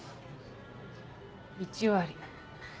１割。